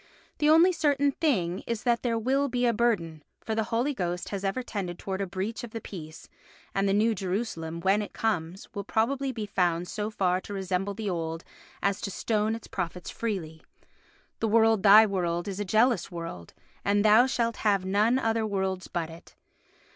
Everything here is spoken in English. The only certain thing is that there will be a burden, for the Holy Ghost has ever tended towards a breach of the peace, and the New Jerusalem, when it comes, will probably be found so far to resemble the old as to stone its prophets freely. The world thy world is a jealous world, and thou shalt have none other worlds but it.